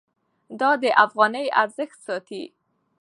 دا د افغانۍ ارزښت ساتي.